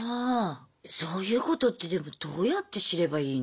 そういうことってでもどうやって知ればいいの？